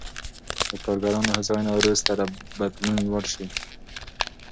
د کارګرانو هوساینه وروسته له بدلون لوړ شوې.